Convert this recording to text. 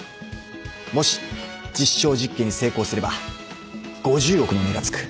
もし実証実験に成功すれば５０億の値がつく。